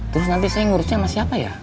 terus nanti saya ngurusnya sama siapa ya